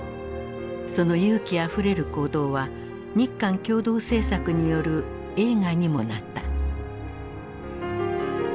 その勇気あふれる行動は日韓共同製作による映画にもなった。